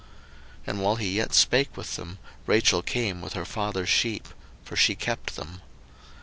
01:029:009 And while he yet spake with them, Rachel came with her father's sheep; for she kept them.